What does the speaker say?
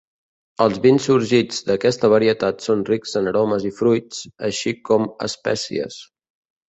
Els vins sorgits d'aquesta varietat són rics en aromes i fruits, així com espècies.